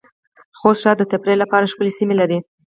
خوست ښار د تفریح لپاره ښکلې سېمې لرې